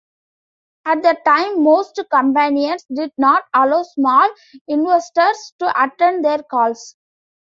At the time, most companies did not allow small investors to attend their calls.